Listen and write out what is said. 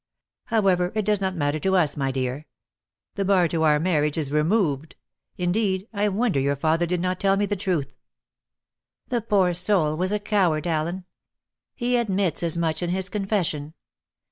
However, it does not matter to us, my dear. The bar to our marriage is removed; indeed, I wonder your father did not tell me the truth." "The poor soul was a coward, Allen. He admits as much in his confession.